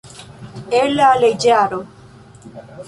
El la leĝaro.